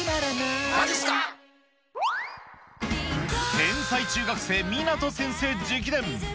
天才中学生、湊先生直伝。